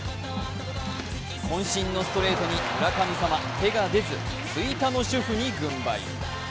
こん身ストレートに村神様手が出ず、吹田の主婦に軍配。